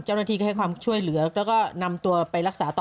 เจ้าหน้าที่ก็ให้ความช่วยเหลือแล้วก็นำตัวไปรักษาต่อ